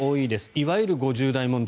いわゆる５０代問題